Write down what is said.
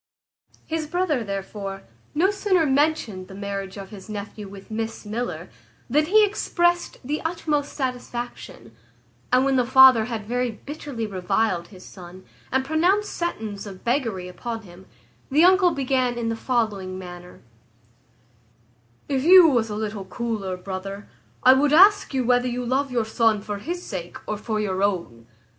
His brother, therefore, no sooner mentioned the marriage of his nephew with Miss Miller, than he exprest the utmost satisfaction; and when the father had very bitterly reviled his son, and pronounced sentence of beggary upon him, the uncle began in the following manner: "If you was a little cooler, brother, I would ask you whether you love your son for his sake or for your own.